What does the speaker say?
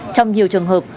trong nhiều trường hợp